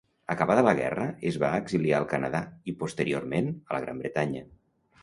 Acabada la guerra es va exiliar al Canadà i, posteriorment, a la Gran Bretanya.